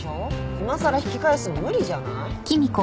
いまさら引き返すの無理じゃない？